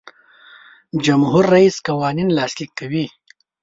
جمهور رئیس قوانین لاسلیک کوي.